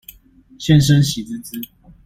現身喜滋滋